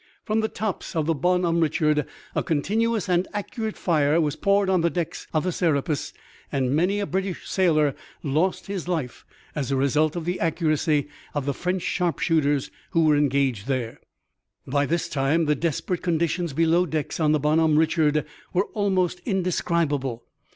From the tops of the Bonhomme Richard a continuous and accurate fire was poured on the decks of the Serapis and many a British sailor lost his life as a result of the accuracy of the French sharpshooters who were engaged there. By this time the desperate conditions below decks on the Bonhomme Richard were almost indescribable.